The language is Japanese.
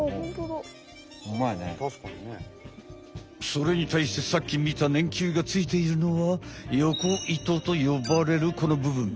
それにたいしてさっきみた粘球がついているのはヨコ糸と呼ばれるこのぶぶん。